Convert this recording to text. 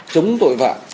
chống tội vạng